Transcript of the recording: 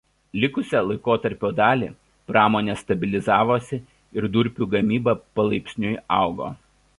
Likusią laikotarpio dalį pramonė stabilizavosi ir durpių gavyba palaipsniui augo.